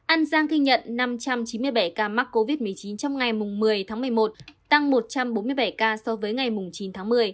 an giang ghi nhận năm trăm chín mươi bảy ca mắc covid một mươi chín trong ngày một mươi tháng một mươi một tăng một trăm bốn mươi bảy ca so với ngày chín tháng một mươi